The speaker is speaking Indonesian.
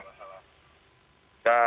kalau nggak salah